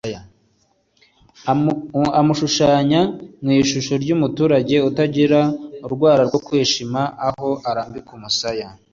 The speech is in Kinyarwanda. amushushanya mu ishusho y’umuturage utagira n’urwara rwo kwishima; aho arambika umusaya